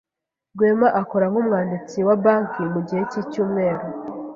Rwema akora nk'umwanditsi wa banki mugihe cyicyumweru.